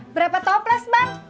berapa toples bang